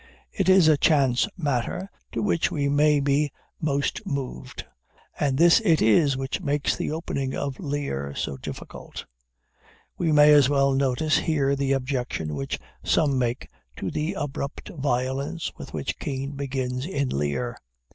It is a chance matter to which we may be most moved. And this it is which makes the opening of Lear so difficult. We may as well notice here the objection which some make to the abrupt violence with which Kean begins in Lear.